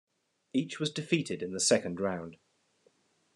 Each was defeated in the second round.